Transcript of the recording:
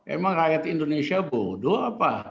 emang rakyat indonesia bodoh apa